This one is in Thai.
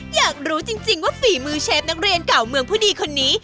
อยากรู้จริงว่าฝีมือเชฟนักเรียนเก่าเมืองผู้ดีคนนี้